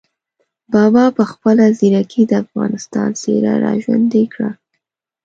بابا په خپله ځیرکۍ د افغانستان څېره را ژوندۍ کړه.